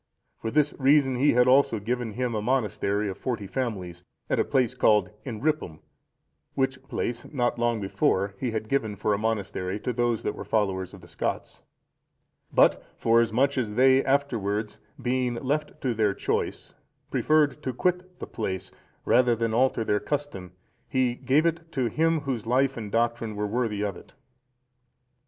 For this reason he had also given him a monastery of forty families, at a place called Inhrypum;(462) which place, not long before, he had given for a monastery to those that were followers of the Scots; but forasmuch as they afterwards, being left to their choice, preferred to quit the place rather than alter their custom, he gave it to him, whose life and doctrine were worthy of it.